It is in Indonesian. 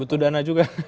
butuh dana juga